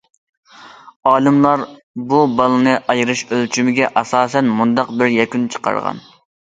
ئالىملار بۇ بالىلارنى ئايرىش ئۆلچىمىگە ئاساسەن مۇنداق بىر يەكۈن چىقارغان.